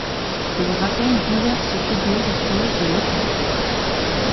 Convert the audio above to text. Il rappelle diverses figures historiques de l'État.